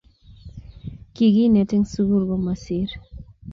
kikinet en sukul komasir